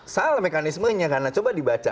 salah mekanismenya karena coba dibaca